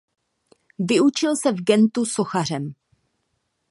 Vyučil se v Gentu sochařem.